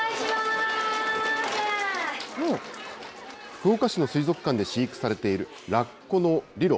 福岡市の水族館で飼育されているラッコのリロ。